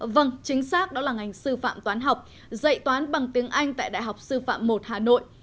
vâng chính xác đó là ngành sư phạm toán học dạy toán bằng tiếng anh tại đại học sư phạm một hà nội